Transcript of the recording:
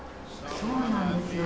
そうなんですよ。